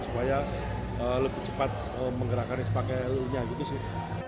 supaya lebih cepat menggerakkan spklu nya gitu sih